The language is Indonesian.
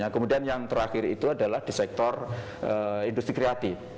kemudian yang terakhir itu adalah di sektor industri kreatif